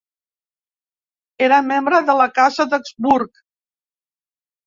Era membre de la casa d'Habsburg.